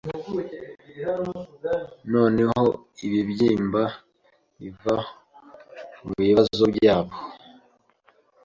Noneho ibibyimba biva mubibazo byabo